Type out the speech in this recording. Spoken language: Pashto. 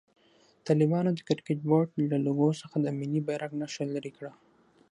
طالبانو د کرکټ بورډ له لوګو څخه د ملي بيرغ نښه لېري کړه.